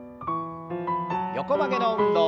横曲げの運動。